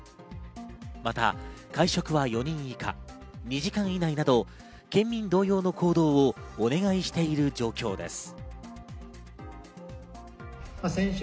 また会食は４人以下、２時間以内など県民同様の行動をお願いしている状況です。